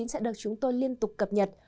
sẽ được chúng tôi liên tục cập nhật